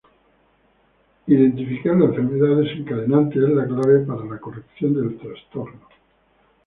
El identificar la enfermedad desencadenante es la clave para la corrección del trastorno.